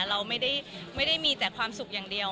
เราไม่ได้มีแต่ความสุขอย่างเดียว